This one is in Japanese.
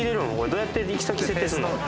どうやって行き先設定すんの？